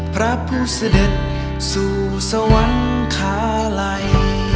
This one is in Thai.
พระผู้เสด็จสู่สวรรคาลัย